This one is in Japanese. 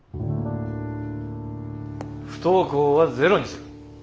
不登校はゼロにする。